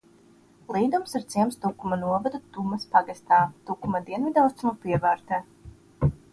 Līdums ir ciems Tukuma novada Tumes pagastā, Tukuma dienvidaustrumu pievārtē.